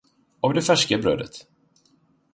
Av det färska brödet?